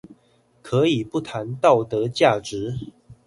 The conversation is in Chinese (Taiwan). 可以不談道德價值